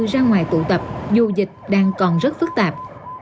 ra ngoài tụ tập dù dịch đang còn rất phức tạp